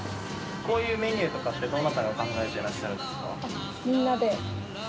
こういうメニューとかってどなたが考えてらっしゃるんですか？